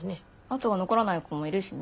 痕が残らない子もいるしね。